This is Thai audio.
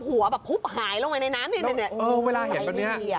หัวแบบพุบหายลงไว้ในน้ำนี้เออเวลาเห็นตอนเนี้ย